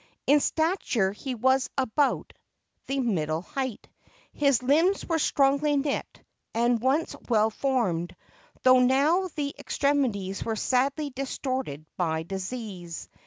In stature he was about the middle height. His limbs were strongly knit, and once well formed, though now the extremities were sadly distorted by disease.